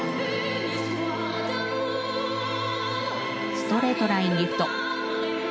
ストレートラインリフト。